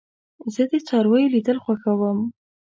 زه د څارويو لیدل خوښوم.